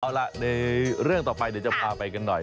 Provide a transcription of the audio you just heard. เอาล่ะในเรื่องต่อไปเดี๋ยวจะพาไปกันหน่อย